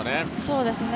そうですね。